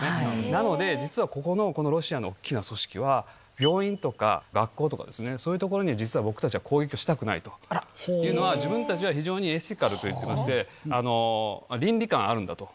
なので、実はここのこのロシアの大きな組織は、病院とか学校とかですね、そういうところに実は僕たちは攻撃をしたくないと。っていうのは、自分たちは非常にエシカルと言ってまして、倫理観あるんだと。